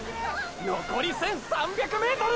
のこり１３００ｍ！！